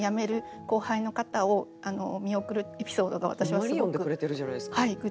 ほんまに読んでくれてるじゃないですか。